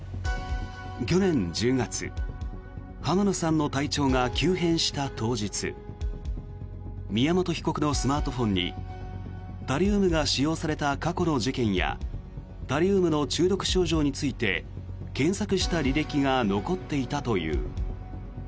去年１０月浜野さんの体調が急変した当日宮本被告のスマートフォンにタリウムが使用された過去の事件やタリウムの中毒症状について検索した履歴が残っていたという。